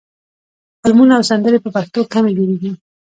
فلمونه او سندرې په پښتو کمې جوړېږي.